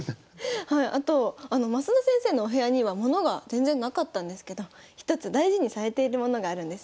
あと増田先生のお部屋には物が全然無かったんですけど１つ大事にされている物があるんですよね。